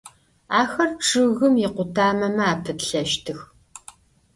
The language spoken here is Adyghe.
Axer ççıgım yikhutameme apıtlheştıx.